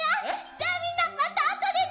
じゃあみんなまた後でね！